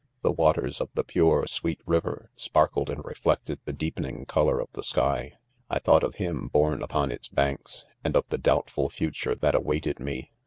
The waters of the pure^ 'sweet fiver, sparkled and reflected the deepening color of the sky. 1 thought of him born upon its hanks,, and of the doubtful future that awaited me.